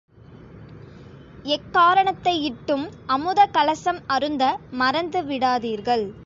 எக்காரணத்தையிட்டும் அமுத கலசம் அருந்த மறந்து விடாதீர்கள்.